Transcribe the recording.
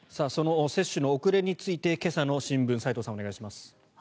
その接種の遅れについて今朝の新聞斎藤さん、お願いします。